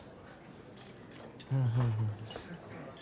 うんうん。